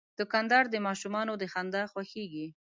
دوکاندار د ماشومانو د خندا خوښیږي.